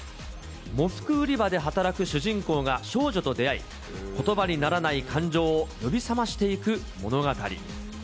喪服売り場で働く主人公が少女と出会い、ことばにならない感情を呼び覚ましていく物語。